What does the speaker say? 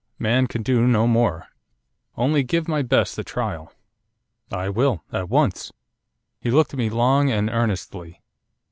Man can do no more. Only give my best a trial.' 'I will. At once.' He looked at me long and earnestly.